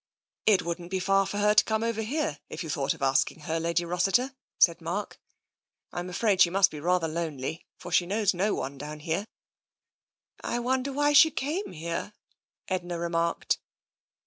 " It wouldn't be far for her to come over here, if you thought of asking her. Lady Rossiter," said Mark. " I'm afraid she must be rather lonely, for she knows no one down here." " I wonder why she came here," Edna remarked.